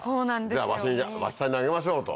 じゃあワシさんにあげましょうと。